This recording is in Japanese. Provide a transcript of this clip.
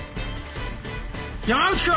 山内君！